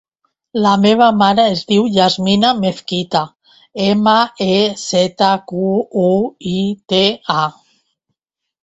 La meva mare es diu Yasmina Mezquita: ema, e, zeta, cu, u, i, te, a.